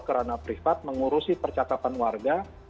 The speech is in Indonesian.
karena privat mengurusi percakapan warga